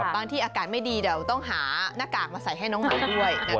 บางที่อากาศไม่ดีเดี๋ยวต้องหาหน้ากากมาใส่ให้น้องหมาด้วย